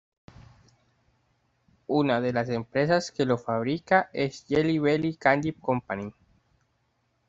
Una de las empresas que los fabrica es "Jelly Belly Candy Company".